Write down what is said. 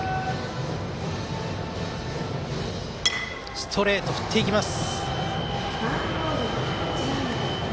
ストレート、振っていきます。